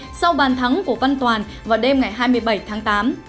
có hạnh phúc ngất ngây sau bàn thắng của văn toàn vào đêm ngày hai mươi bảy tháng tám